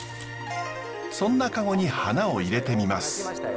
そんな籠に花をいれてみます。